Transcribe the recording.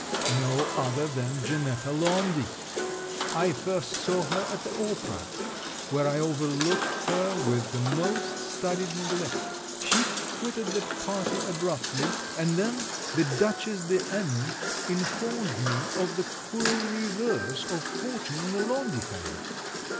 No other than Janetta Laundy! I first saw her at the opera, where I overlooked her with the most studied neglect. She quitted the party abruptly; and then the Dutchess de N informed me of the cruel reverse of fortune in the Laundy family.